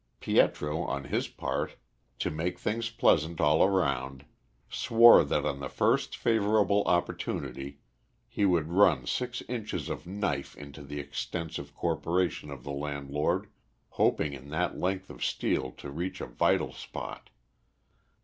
Pietro, on his part, to make things pleasant all round, swore that on the first favourable opportunity he would run six inches of knife into the extensive corporation of the landlord, hoping in that length of steel to reach a vital spot.